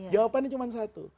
jawabannya cuma satu